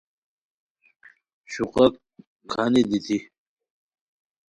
شوقہ کھانی دیتی